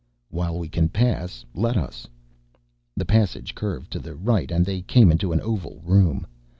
"While we can pass, let us." The passage curved to the right and they came into an oval room.